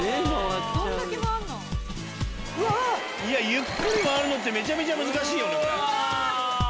ゆっくり回るのってめちゃめちゃ難しいよね。